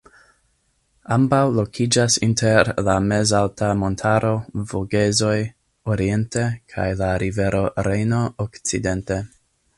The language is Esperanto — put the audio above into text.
Ambaŭ lokiĝas inter la mezalta montaro Vogezoj oriente kaj la rivero Rejno okcidente.